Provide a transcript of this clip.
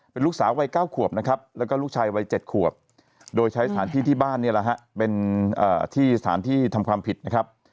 เป็นลูกสาววัย๙ขวบนะครับแล้วก็ลูกชายวัย๗ขวบโดยใช้สถานที่ที่บ้านนี่แหละฮะเป็นที่สถานที่ทำความผิดนะครับ